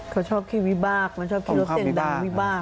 เขาชอบขี่วิบากมันชอบขี่รถเสียงดังวิบาก